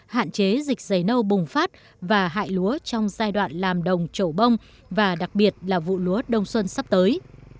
hạn chế dịch dày nâu bùng phát và hại lúa trong giai đoạn làm đồng trổ bông và đặc biệt là vụ lúa đông xuân sắp tới